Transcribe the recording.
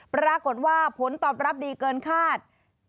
ปรากฏว่าผลตอบรับดีเกินคาด